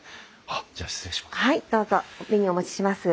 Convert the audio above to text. あっじゃあ失礼します。